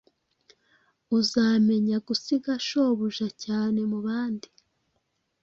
Uzamenya gusiga shobuja cyane mubandi